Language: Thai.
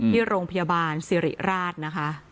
ที่โรงพยาบาลสิริราชนะคะ